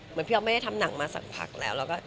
พี่อ๊อฟไม่ได้ทำหนังมาสักพักแล้ว